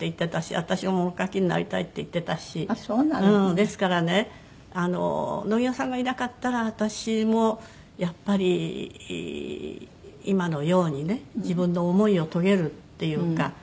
ですからね野際さんがいなかったら私もやっぱり今のようにね自分の思いを遂げるっていうか。